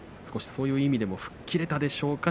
そういう意味でも吹っ切れたでしょうか